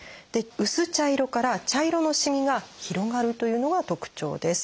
薄茶色から茶色のしみが広がるというのが特徴です。